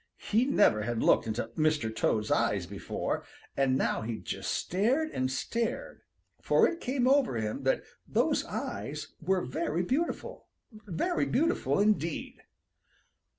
He never had looked into Mr. Toad's eyes before, and now he just stared and stared, for it came over him that those eyes were very beautiful, very beautiful indeed.